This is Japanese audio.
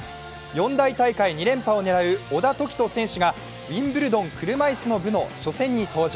４大大会２連覇を狙う小田凱人選手がウィンブルドン車いすの部の初戦に登場。